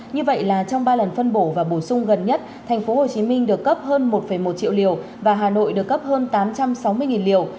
như vậy là trong ba lần phân bổ và bổ sung gần nhất tp hcm được cấp hơn một một triệu liều và hà nội được cấp hơn tám trăm sáu mươi liều